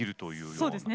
そうですね。